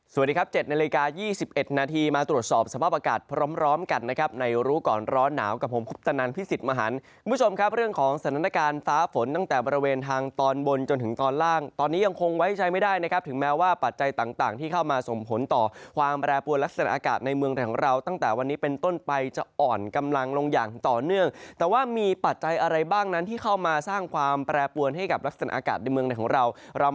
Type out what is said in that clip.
สวัสดีครับ๗นาฬิกา๒๑นาทีมาตรวจสอบสภาพอากาศพร้อมร้อมกันนะครับในรู้ก่อนร้อนหนาวกับผมคุปตนันพิสิทธิ์มหันต์คุณผู้ชมครับเรื่องของสถานการณ์ฟ้าฝนตั้งแต่บริเวณทางตอนบนจนถึงตอนล่างตอนนี้ยังคงไว้ใช้ไม่ได้นะครับถึงแม้ว่าปัจจัยต่างที่เข้ามาส่งผลต่อความแปรปวนลักษณะ